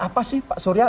apa sih pak surya